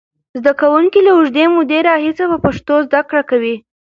زده کوونکي له اوږدې مودې راهیسې په پښتو زده کړه کوي.